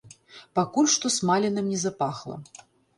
Пакуль што смаленым не запахла.